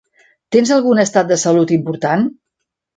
Tens algun estat de salut important?